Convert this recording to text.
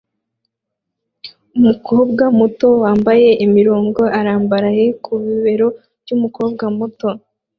Umukobwa muto wambaye imirongo irambaraye ku bibero byumukobwa muto